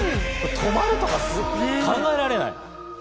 止まるとか考えられない！